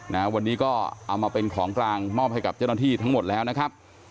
นะวันนี้ก็เอามาเป็นของกลางมอบให้กับเจ้าหน้าที่ทั้งหมดแล้วนะครับ